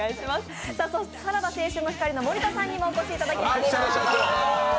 そしてさらば青春の光の森田さんにもお越しいただきました。